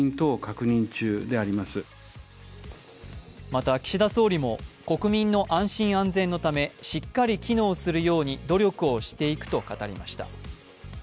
また岸田総理も、国民の安心安全のためしっかり機能するように努力をしていくと語りました。